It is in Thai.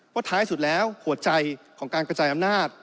ท้ายสุดแล้วหัวใจของการกระจายอำนาจ